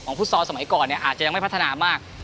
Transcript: ฟุตซอลสมัยก่อนอาจจะยังไม่พัฒนามาก